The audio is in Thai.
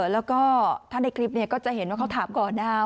แล้วก็ถ้าในคลิปก็จะเห็นว่าเขาถามก่อนนะครับ